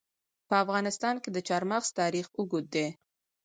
په افغانستان کې د چار مغز تاریخ اوږد دی.